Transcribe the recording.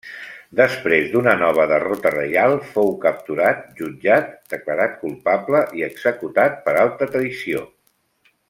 Després d'una nova derrota reial fou capturat, jutjat, declarat culpable, i executat per alta traïció.